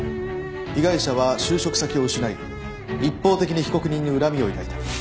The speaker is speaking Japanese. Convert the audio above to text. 被害者は就職先を失い一方的に被告人に恨みを抱いた。